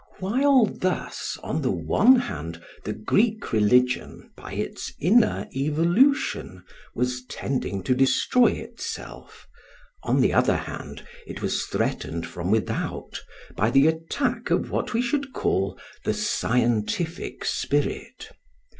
While thus, on the one hand, the Greek religion by its inner evolution, was tending to destroy itself, on the other hand it was threatened from without by the attack of what we should call the "scientific spirit."